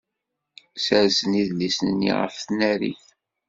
Ssersen idlisen-nni ɣef tnarit.